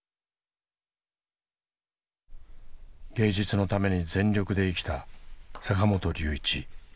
芸術のために全力で生きた坂本龍一。